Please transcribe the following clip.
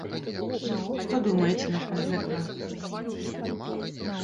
Што думаеце наконт гэтага?